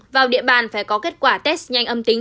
vào địa bàn phải có kết quả test nhanh âm tính